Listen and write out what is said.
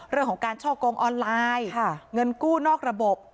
เรื่องของการช่อกงออนไลน์เงินกู้นอกระบบ